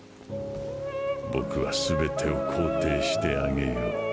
僕は全てを肯定してあげよう。